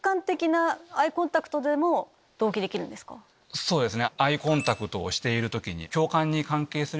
そうですね。